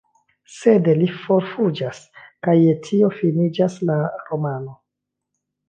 Sed li forfuĝas, kaj je tio finiĝas la romano.